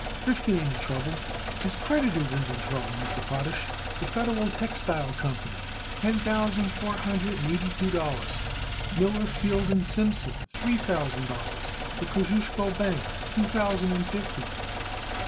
"Rifkin ain't in trouble; his creditors is in trouble, Mr. Potash. The Federal Textile Company, ten thousand four hundred and eighty two dollars; Miller, Field & Simpson, three thousand dollars; the Kosciusko Bank, two thousand and fifty."